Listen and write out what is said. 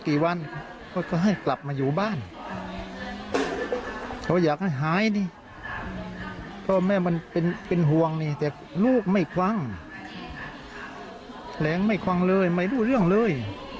ที่ถูกก็น่ะมันโอดพัดลูกมันชัดแม่มันเลย